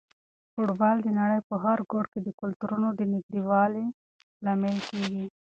فوټبال د نړۍ په هر ګوټ کې د کلتورونو د نږدېوالي لامل کیږي.